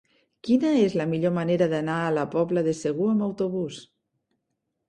Quina és la millor manera d'anar a la Pobla de Segur amb autobús?